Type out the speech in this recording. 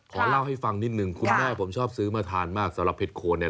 ขอเล่าให้ฟังนิดนึงคุณแม่ผมชอบซื้อมาทานมากสำหรับเห็ดโคนเนี่ย